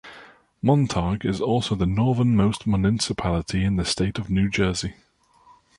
Montague is also the northernmost municipality in the state of New Jersey.